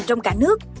trong cả nước